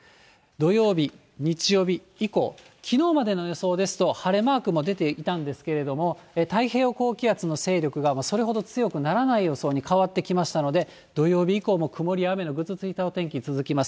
土曜日、日曜日以降、きのうまでの予想ですと、晴れマークも出ていたんですけれども、太平洋高気圧の勢力がそれほど強くならない予想に変わってきましたので、土曜日以降も曇りや雨のぐずついたお天気続きます。